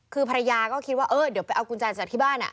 คือภรรยาก็คิดว่าเออเดี๋ยวไปเอากุญแจจากที่บ้าน